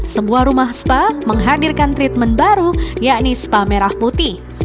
sebuah rumah spa menghadirkan treatment baru yakni spa merah putih